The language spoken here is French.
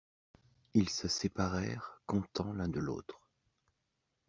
Ils se séparèrent, contents l'un de l'autre.